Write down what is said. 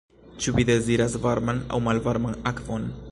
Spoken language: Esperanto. Ĉu vi deziras varman aŭ malvarman akvon?